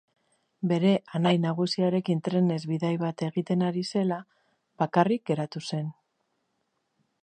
Bere anai nagusiarekin trenez bidai bat egiten ari zela, bakarrik geratu zen.